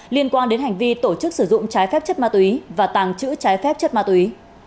liên quan đến hành vi tổ chức sử dụng trái phép chất ma túy và tàng trữ trái phép chất ma túy